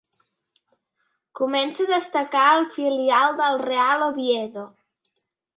Comença a destacar al filial del Real Oviedo.